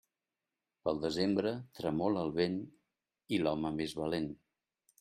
Pel desembre, tremola el vent i l'home més valent.